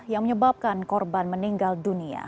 yang menyebabkan korban meninggal dunia